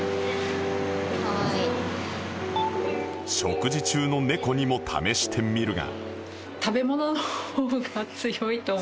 食事中の猫にも試してみるが